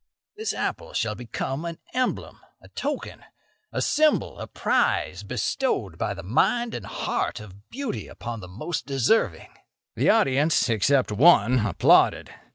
This apple shall become an emblem, a token, a symbol, a prize bestowed by the mind and heart of beauty upon the most deserving." The audience, except one, applauded.